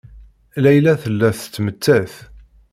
Layla tella tettmettat.